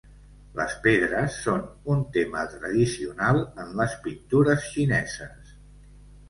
Les pedres són un tema tradicional en les pintures xineses.